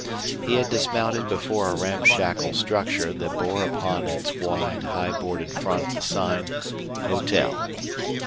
He had dismounted before a ramshackle structure that bore upon its wide, high boarded front the sign, "Hotel."